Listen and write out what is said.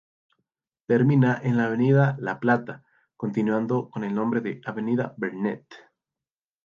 Termina en la Avenida La Plata, continuando con el nombre de "Avenida Vernet".